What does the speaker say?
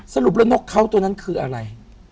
สรุปแล้วนกเขาตัวนั้นคืออะไร